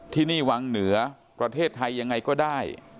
ที่นี่วังเหนือประเทศไทยยังไงก็ได้